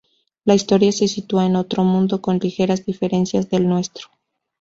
La historia se sitúa en otro mundo con ligeras diferencias del nuestro.